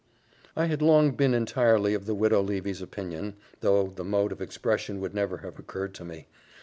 I had long been entirely of the Widow Levy's opinion, though the mode of expression would never have occurred to me.